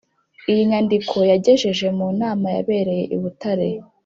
Iyi nyandiko yagejeje mu nama yabereye i Butare